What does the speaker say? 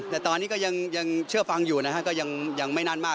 แต่ตอนนี้ก็ยังเชื่อฟังอยู่นะฮะก็ยังไม่นานมาก